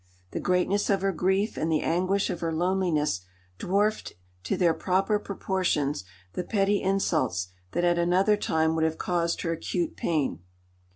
The greatness of her grief and the anguish of her loneliness dwarfed to their proper proportions the petty insults that at another time would have caused her acute pain.